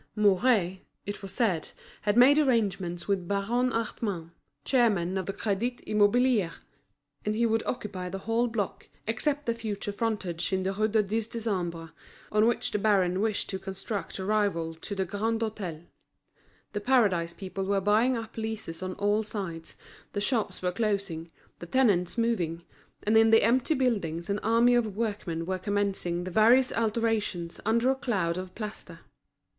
Mouret, it was said, had made arrangements with Baron Hartmann, chairman of the Crédit Immobilier, and he would occupy the whole block, except the future frontage in the Rue du Dix Décembre, on which the baron wished to construct a rival to the Grand Hôtel. The Paradise people were buying up leases on all sides, the shops were closing, the tenants moving; and in the empty buildings an army of workmen were commencing the various alterations under a cloud of plaster.